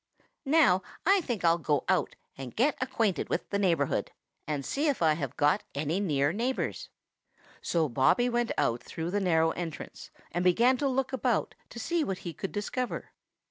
Now I think I'll go out and get acquainted with the neighborhood and see if I have got any near neighbors." So Bobby went out through the narrow entrance and began to look about to see what he could discover.